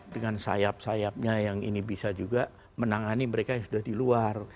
dengan sayap sayapnya yang ini bisa juga menangani mereka yang sudah di luar